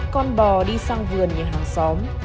con bò đi sang vườn nhà hàng xóm